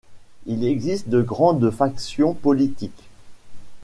Il existe deux grandes factions politiques.